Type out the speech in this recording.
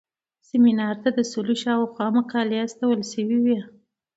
سیمینار ته د سلو شاوخوا مقالې استول شوې وې.